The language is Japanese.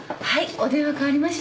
お電話代わりました。